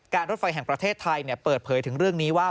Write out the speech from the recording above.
รถไฟแห่งประเทศไทยเปิดเผยถึงเรื่องนี้ว่า